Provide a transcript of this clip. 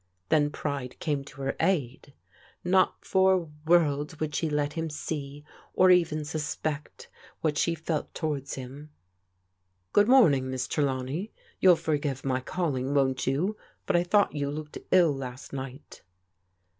Then pride came to her aid. Not for worlds would she let him see, or even suspect, what she felt towards him. Good morning, Miss Trelawney. "Mou'W iox^N^ tk?j €t 248 PRODIGAL DAUGHTERS calling, won't you? But I thought you looked ill last night."